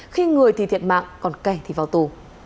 khi người thì thiệt mạng còn kẻ thì vào tù